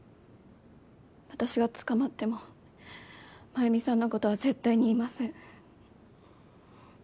私が捕まっても繭美さんのことは絶対に言いません。